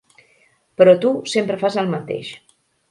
Però tu sempre fas el mateix.